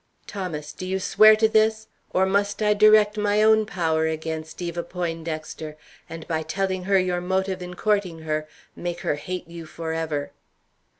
Thomas, do you swear to this? Or must I direct my own power against Eva Poindexter, and, by telling her your motive in courting her, make her hate you forever?"